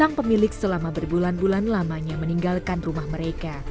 sang pemilik selama berbulan bulan lamanya meninggalkan rumah mereka